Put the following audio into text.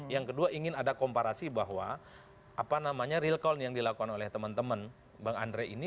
yang kedua ingin ada komparasi bahwa apa namanya real call yang dilakukan oleh teman teman bang andre ini